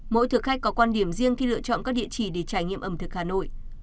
mỗi thực khách có quan điểm riêng khi lựa chọn các địa chỉ để trải nghiệm ẩm thực hà nội